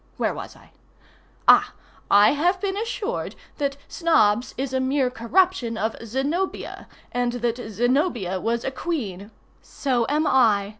] Where was I? Ah! I have been assured that Snobbs is a mere corruption of Zenobia, and that Zenobia was a queen—(So am I.